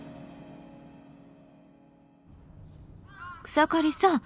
草刈さん